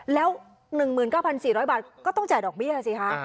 แล้ว๑๙๔๐๐บาทก็ต้องจ่ายดอกเบี้ยสิคะ